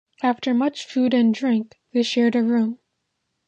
After much food and drink, they shared a room.